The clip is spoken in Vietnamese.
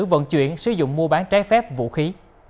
vận chuyển sử dụng mua bán trái phép vũ khí